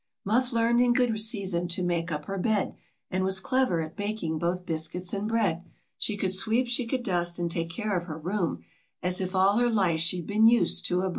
Muff learned in good season to make up her bed, And was clever at baking both biscuits and bread ; She could sweep, she could dust, and take care of her room, As if all her life she'd been used to a broom.